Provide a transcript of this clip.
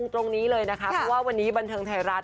ตรงนี้เลยนะคะเพราะว่าวันนี้บันเทิงไทยรัฐ